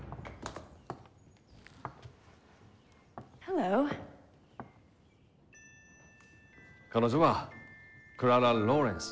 Ｈｅｌｌｏ．彼女はクララ・ローレンス。